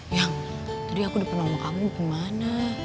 yang tadi aku di depan mama kamu gimana